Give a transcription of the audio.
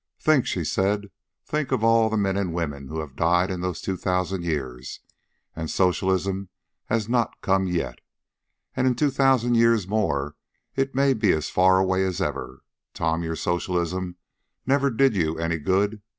"Think," she said, "think of all the men and women who died in those two thousand years, and socialism has not come yet. And in two thousand years more it may be as far away as ever. Tom, your socialism never did you any good.